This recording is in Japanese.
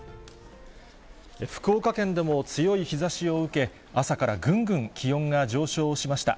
福岡県でも強い日ざしを受け、朝からぐんぐん気温が上昇しました。